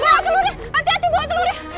buat telurnya hati hati buat telurnya